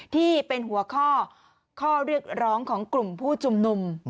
ที่เป็นหัวข้อข้อเรียกร้องของกลุ่มผู้ชุมนุม